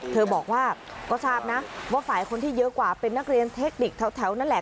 เธอบอกว่าก็ทราบนะว่าฝ่ายคนที่เยอะกว่าเป็นนักเรียนเทคนิคแถวนั่นแหละ